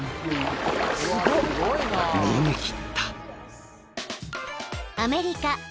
［逃げ切った］